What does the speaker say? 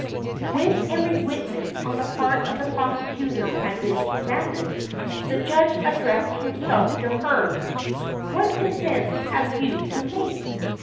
When every witness on the part of the prosecutor had been examined, the judge addressed himself to her "What defence have you to make?"